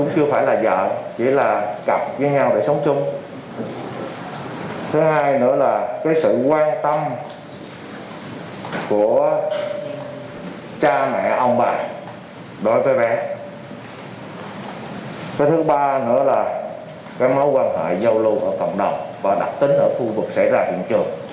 cái mối quan hệ giao lưu ở cộng đồng và đặc tính ở khu vực xảy ra hiện trường